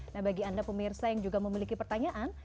nah bagi anda pemirsa yang juga memiliki pertanyaan